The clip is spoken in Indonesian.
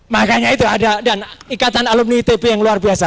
makanya itu ada dan ikatan alumni itb yang luar biasa